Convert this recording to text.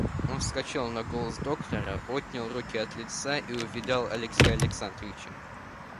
Он вскочил на голос доктора, отнял руки от лица и увидал Алексея Александровича.